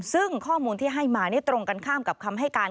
ซึ่งข้อมูลที่ให้มานี่ตรงกันข้ามกับคำให้การ